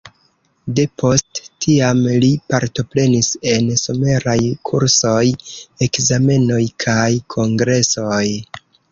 De post tiam li partoprenis en someraj kursoj, ekzamenoj kaj kongresoj.